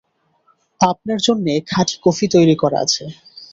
আপনার জন্যে খাঁটি কফি তৈরি করা আছে।